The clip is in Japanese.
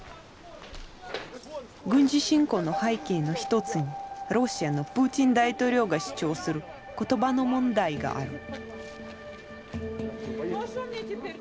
軍事侵攻の背景の一つにロシアのプーチン大統領が主張する「言葉の問題」がある。